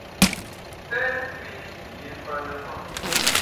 Sèn nkpi yî mfa ne ma!